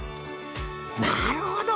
なるほど！